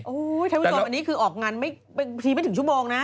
โอ้ยไทยวิทยาลัยฯอันนี้คือออกงานทีไม่ถึงชั่วโมงนะ